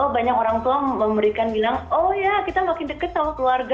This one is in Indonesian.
banyak orang tua memberikan bilang oh ya kita makin dekat sama keluarga